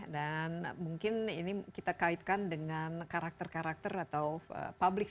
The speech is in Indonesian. dan mungkin ini kita kaitkan dengan karakter karakter atau publikasi